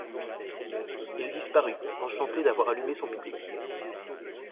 Il disparut, enchanté d'avoir allumé son public.